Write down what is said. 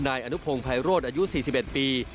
นายอนุพงศ์ภัยโรธอายุ๔๑ปี